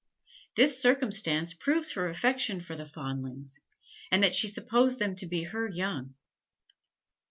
This circumstance proves her affection for the fondlings, and that she supposed them to be her young.